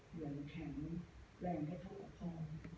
เหมือนแข็งแรงแค่เท่ากับพ่อ